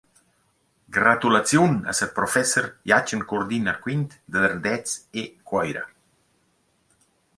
Gratulaziun a sar professer Jachen Curdin Arquint dad Ardez e Cuoira.